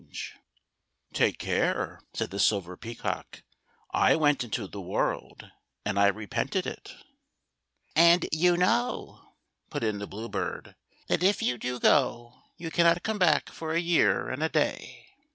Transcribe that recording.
4S THE GOLDEN HEN. " Take care," said the Silver Peacock ;" I went Into the world and I repented it." " And you know," put in the Blue Bird, " that if you <^o go, you cannot come back for a year and a day."